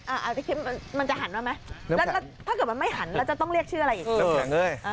อันนี้คลิปมันจะหันมาไหมแล้วถ้าเกิดมันไม่หันแล้วจะต้องเรียกชื่ออะไรอีก